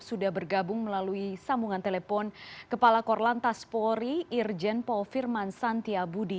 sudah bergabung melalui sambungan telepon kepala korlantas polri irjen paul firman santia budi